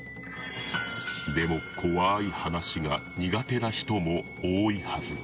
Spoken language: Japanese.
でも、怖い話が苦手な人も多いはず。